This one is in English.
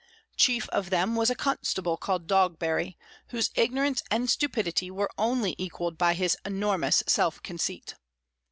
Chief of them was a constable called Dogberry, whose ignorance and stupidity were only equalled by his enormous self conceit.